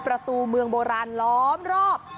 ประตูเมืองโบราณล้อมรอบ